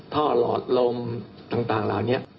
ท่อหลอดลมต่างแล้วนี้